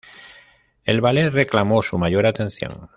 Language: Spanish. El ballet reclamó su mayor atención.